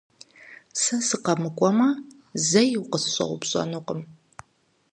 Сэ сыкъэмыкӀуэмэ, зэи укъысщӀэупщӀэнукъым.